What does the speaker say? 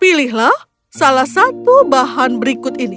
pilihlah salah satu bahan berikut ini